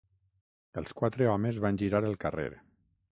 Els quatre homes van girar el carrer.